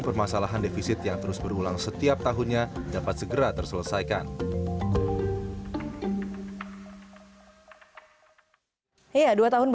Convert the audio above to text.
permasalahan defisit yang terus berulang setiap tahunnya dapat segera terselesaikan